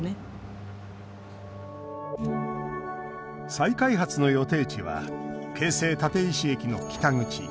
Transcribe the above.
再開発の予定地は京成立石駅の北口。